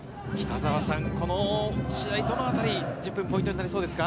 この試合どのあたり、１０分ポイントになりそうですか？